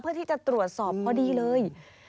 เพื่อที่จะตรวจสอบพอดีเลย